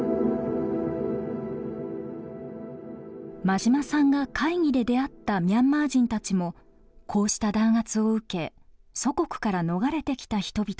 馬島さんが会議で出会ったミャンマー人たちもこうした弾圧を受け祖国から逃れてきた人々でした。